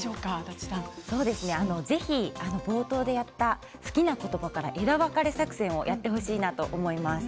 ぜひ冒頭でやった好きなことから枝分かれ作戦をやってほしいと思います。